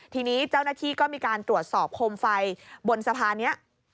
ทีนี้เจ้าหน้าที่ก็มีการตรวจสอบโคมไฟบนสะพานนี้